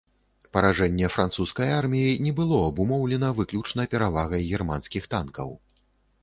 Паражэнне французскай арміі не было абумоўлена выключна перавагай германскіх танкаў.